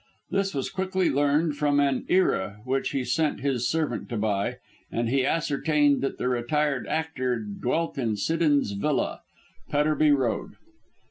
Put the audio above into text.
This was quickly learned from an Era, which he sent his servant to buy, and he ascertained that the retired actor dwelt in Siddons Villa, Petterby Road.